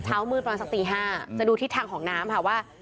เช้ามืดประมาณสักตี๕จะดูทิศทางของน้ำค่ะว่า